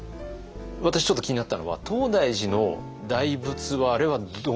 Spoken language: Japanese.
私ちょっと気になったのは東大寺の大仏はあれはどうなったんですか？